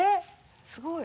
すごい。